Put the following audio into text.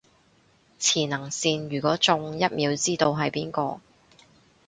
磁能線，如果中，一秒知道係邊個